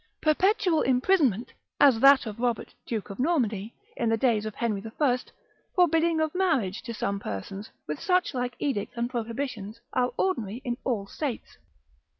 Perpetual imprisonment, as that of Robert Duke of Normandy, in the days of Henry the First, forbidding of marriage to some persons, with such like edicts and prohibitions, are ordinary in all states.